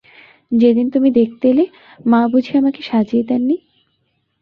যেদিন তুমি দেখতে এলে মা বুঝি আমাকে সাজিয়ে দেন নি?